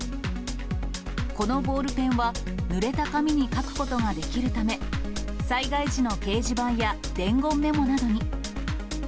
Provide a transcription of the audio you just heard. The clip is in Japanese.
このボールペンは、ぬれた紙に書くことができるため、災害時の掲示板や伝言メモなどに。